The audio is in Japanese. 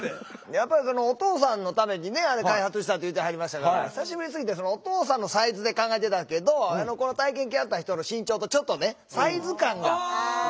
やっぱりお父さんのためにあれ開発したって言うてはりましたから久しぶりすぎてそのお父さんのサイズで考えてたけどこの体験来はった人の身長とちょっとねサイズ感が合わなくて。